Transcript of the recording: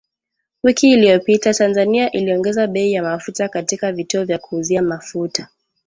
Wiki iliyopita Tanzania iliongeza bei ya mafuta katika vituo vya kuuzia mafuta